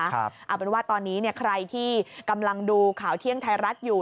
เอาเป็นว่าตอนนี้ใครที่กำลังดูข่าวเที่ยงไทยรัฐอยู่